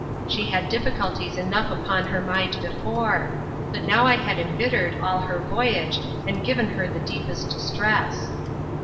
She had difficulties enough upon her mind before; but now I had embittered all her voyage, and given her the deepest distress.